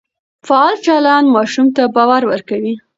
فعال چلند ماشوم ته باور ورکوي.